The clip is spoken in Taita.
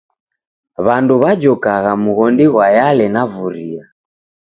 W'andu w'ajokagha mghondi ghwa Yale na Vuria.